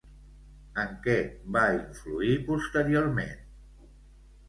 En què va influir posteriorment?